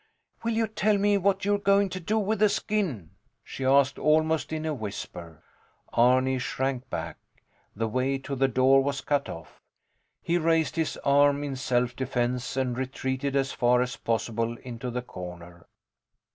Will you tell me what you're going to do with the skin? she asked, almost in a whisper. Arni shrank back. The way to the door was cut off. He raised his arm in self defence and retreated as far as possible into the corner.